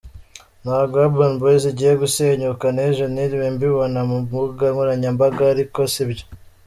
Ntabwo Urban Boyz igiye gusenyuka, n’ejo niriwe mbibona ku mbuga nkoranyambaga, ariko sibyo.